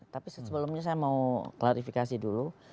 tapi sebelumnya saya mau klarifikasi dulu